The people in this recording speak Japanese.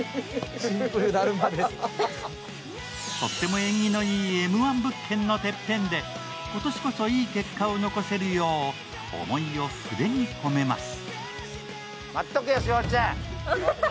とっても縁起のいいＭ−１物件のてっぺんで、今年こそいい結果を残せるよう、思いを筆に込めます。